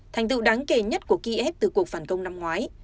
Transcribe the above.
thành tựu đáng kể nhất của kiev từ cuộc phản công năm ngoái